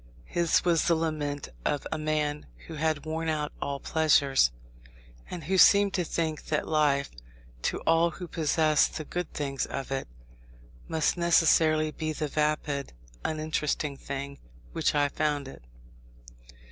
His was the lament of a man who had worn out all pleasures, and who seemed to think that life, to all who possess the good things of it, must necessarily be the vapid, uninteresting thing which I found it.